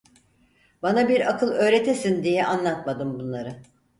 Bana bir akıl öğretesin diye anlatmadım bunları…